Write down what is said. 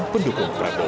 pendukung dan pemerintah